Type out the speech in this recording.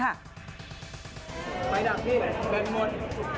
ไปดังพี่เดินข้างบน